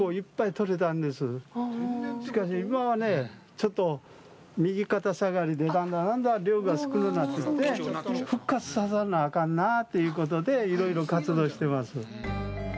しかし、今はちょっと右肩下がりでだんだんだんだん量が少なくなってきて、復活ささなあかんなあということでいろいろ活動してます。